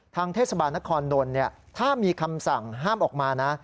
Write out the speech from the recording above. เทศบาลนครนนท์ถ้ามีคำสั่งห้ามออกมานะ